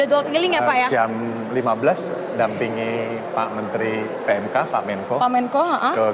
jam lima belas dampingi pak menteri pmk pak menko ke kalidres dengan senen